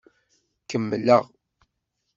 Kemmleɣ.